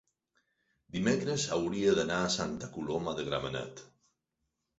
dimecres hauria d'anar a Santa Coloma de Gramenet.